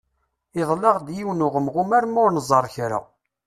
Idel-aɣ-d yiwen uɣemɣum armi ur nẓerr kra.